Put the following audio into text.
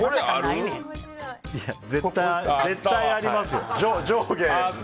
絶対ありますよ。